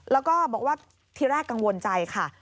แล้วก็บอกว่าทีแรกกังวลใจค่ะ